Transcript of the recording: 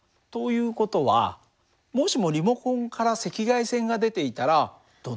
という事はもしもリモコンから赤外線が出ていたらどうなる？